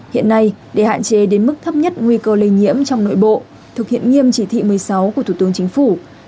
hiện nay để hạn chế đến mức thấp nhất nguy cơ lây nhiễm trong nội bộ thực hiện nghiêm chỉ thị một mươi sáu của thủ tướng chính phủ